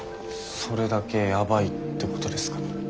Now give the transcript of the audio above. それだけやばいってことですかね。